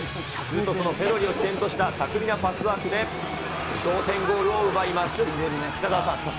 そのペドリを中心とした巧みなパスワークで同点ゴールを奪います。